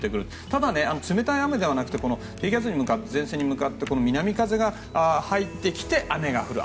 ただ、冷たい雨ではなくて低気圧の前線に向かって南風が入ってきて雨が降る。